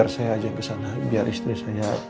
tidak ada yang bisa berkata kata